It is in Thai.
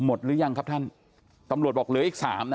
หมดหรือยังครับตำรวจบอกเหลืออีก๓